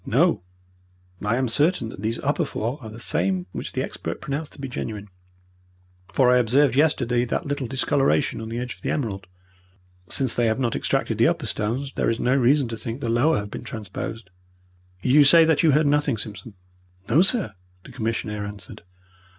"No, I am certain that these upper four are the same which the expert pronounced to be genuine, for I observed yesterday that little discoloration on the edge of the emerald. Since they have not extracted the upper stones, there is no reason to think the lower have been transposed. You say that you heard nothing, Simpson?" "No, sir," the commissionaire answered.